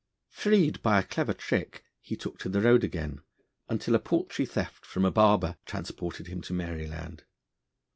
Freed by a clever trick, he took to the road again, until a paltry theft from a barber transported him to Maryland.